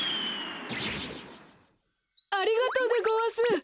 ありがとでごわす。